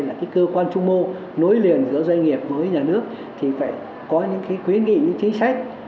là cơ quan trung mô nối liền giữa doanh nghiệp với nhà nước thì phải có những quyến nghị những chính sách